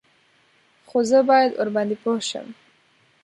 _خو زه بايد ورباندې پوه شم.